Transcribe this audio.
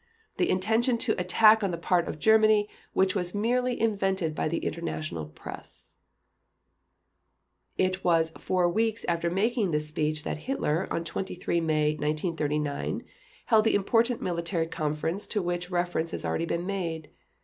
. The intention to attack on the part of Germany which was merely invented by the international press ...." It was four weeks after making this speech that Hitler, on 23 May 1939, held the important military conference to which reference has already been made.